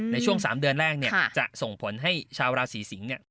ในช่วง๓เดือนแรกเนี่ยจะส่งผลให้ชาวราศีสิงศ์เนี่ย